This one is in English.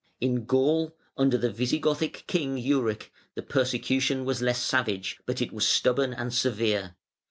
In Gaul, under the Visigothic King Euric, the persecution was less savage, but it was stubborn and severe.